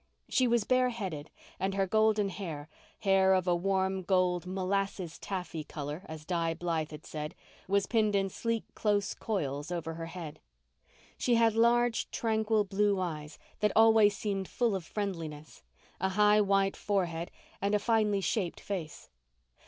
She was bareheaded and her golden hair—hair of a warm gold, "molasses taffy" colour as Di Blythe had said—was pinned in sleek, close coils over her head; she had large, tranquil, blue eyes that always seemed full of friendliness, a high white forehead and a finely shaped face.